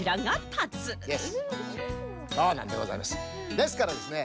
ですからですね